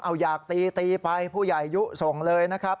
เอาอยากตีตีไปผู้ใหญ่ยุส่งเลยนะครับ